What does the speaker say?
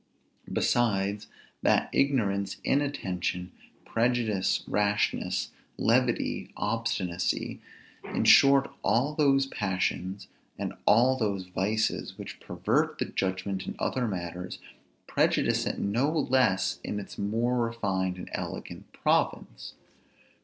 Besides, that ignorance, inattention, prejudice, rashness, levity, obstinacy, in short, all those passions, and all those vices, which pervert the judgment in other matters, prejudice it no less in this its more refined and elegant province.